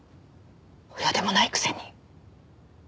親でもないくせに。